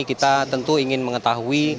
kita tentu ingin mengetahui